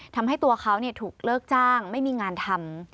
ทำให้ตัวเขาถูกเลิกจ้างไม่มีงานทำ